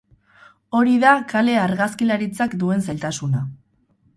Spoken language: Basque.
Hori da kale-argazkilaritzak duen zailtasuna.